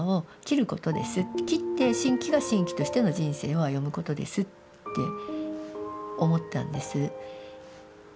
切って真気が真気としての人生を歩むことですって思ったんです。